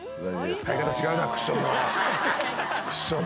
使い方違うな、クッションの。